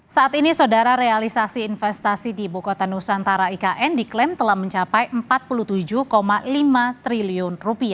saat ini saudara realisasi investasi di ibu kota nusantara ikn diklaim telah mencapai rp empat puluh tujuh lima triliun